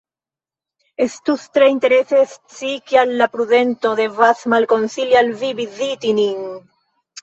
Estus tre interese scii, kial la prudento devas malkonsili al vi vizitadi nin?